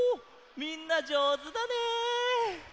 みんなじょうずだね！